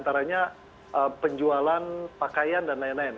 antaranya penjualan pakaian dan lain lain